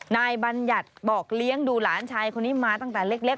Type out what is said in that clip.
บัญญัติบอกเลี้ยงดูหลานชายคนนี้มาตั้งแต่เล็ก